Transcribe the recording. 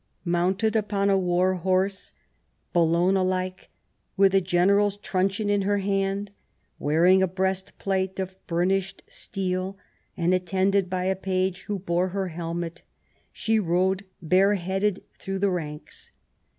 Mounted upon a war horse, Bellona like, with a general's truncheon in her hand, wearing a breastplate of burnished steel, and attended by a page who bore her helmet, she rode bare headed through the ranks.